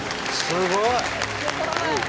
すごい。